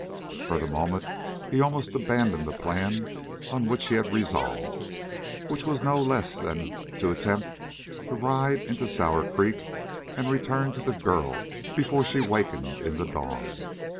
For the moment he almost abandoned the plan on which he had resolved, which was no less than to attempt to ride into Sour Creek and return to the girl before she wakened in the dawn.